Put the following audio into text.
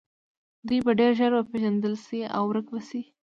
دوی به ډیر ژر وپیژندل شي او ورک به شي